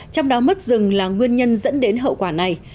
trong đó mất rừng là nguyên nhân dẫn đến hậu quả này